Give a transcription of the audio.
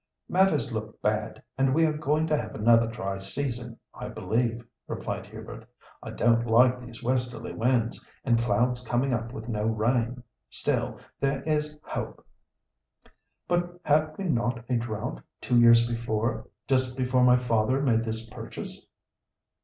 "Matters look bad, and we are going to have another dry season, I believe," replied Hubert. "I don't like these westerly winds, and clouds coming up without rain. Still there is hope." "But had we not a drought two years before—just before my father made this purchase?"